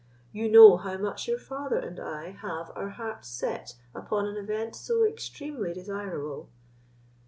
You know how much your father and I have our hearts set upon an event so extremely desirable."